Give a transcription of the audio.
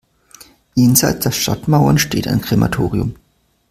Jenseits der Stadtmauern steht ein Krematorium.